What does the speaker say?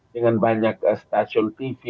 dengan banyak stasiun tv